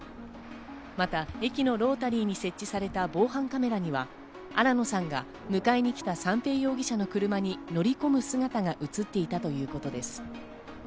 また駅のロータリーに設置された防犯カメラには新野さんが迎えに来た三瓶容疑者の車に乗り込む姿が映っていたということです。